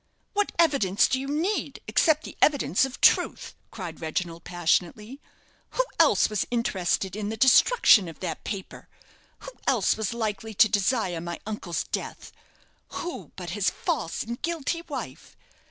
"What evidence do you need, except the evidence of truth?" cried Reginald, passionately. "Who else was interested in the destruction of that paper? who else was likely to desire my uncle's death? Who but his false and guilty wife?